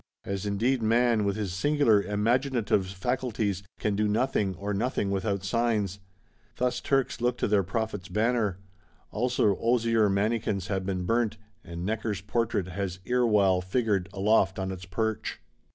As indeed man, with his singular imaginative faculties, can do little or nothing without signs: thus Turks look to their Prophet's banner; also Osier Mannikins have been burnt, and Necker's Portrait has erewhile figured, aloft on its perch.